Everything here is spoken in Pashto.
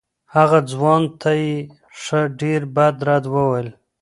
هغه ځوان ته یې ښه ډېر بد رد وویل.